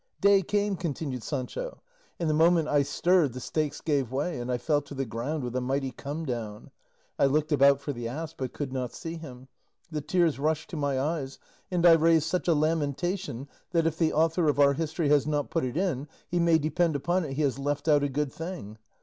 "Day came," continued Sancho, "and the moment I stirred the stakes gave way and I fell to the ground with a mighty come down; I looked about for the ass, but could not see him; the tears rushed to my eyes and I raised such a lamentation that, if the author of our history has not put it in, he may depend upon it he has left out a good thing.